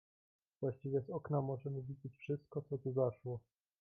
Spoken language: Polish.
"Właściwie z okna możemy widzieć wszystko, co tu zaszło."